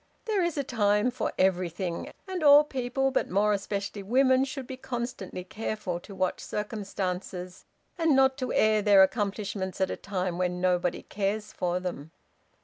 There is a time for everything; and all people, but more especially women, should be constantly careful to watch circumstances, and not to air their accomplishments at a time when nobody cares for them.